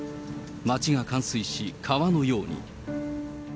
街が冠水し、川のように。